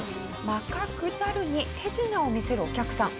マカクザルに手品を見せるお客さん。